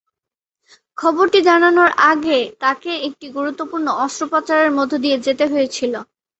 খবরটি জানানোর আগে তাকে একটি গুরুত্বপূর্ণ অস্ত্রোপচারের মধ্য দিয়ে যেতে হয়েছিলো।